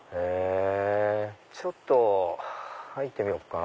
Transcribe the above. ちょっと入ってみようかな。